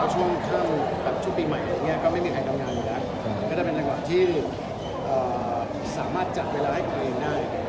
ค่อนข้างชุดปีใหม่ก็ไม่มีใครทำงานกันก็จะเป็นลักษณะที่สามารถจัดเวลาให้ประโยชน์ได้